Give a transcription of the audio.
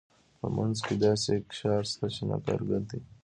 په منځ کې داسې اقشار شته چې نه کارګر دي.